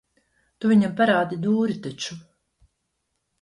Tu viņam parādi dūri taču.